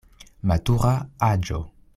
Matura aĝo.